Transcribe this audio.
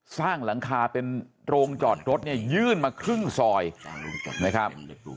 สร้างหลังคาเป็นโรงจอดรถเนี่ยยื่นมาครึ่งซอยนะครับ